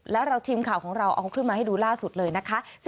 แล้วเราทีมข่าวของเราเอาขึ้นมาให้ดูล่าสุดเลยนะคะ